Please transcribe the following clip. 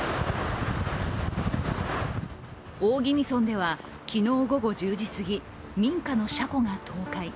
大宜味村では、昨日午後１０時すぎ、民家の車庫が倒壊。